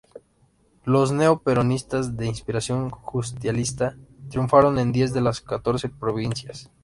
Los neo peronistas de inspiración justicialista, triunfaron en diez de las catorce provincias.